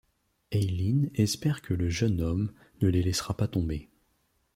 Eileen espère que le jeune homme ne les laissera pas tomber.